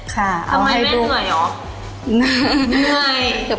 ทำไมแม่เหนื่อยเหรอ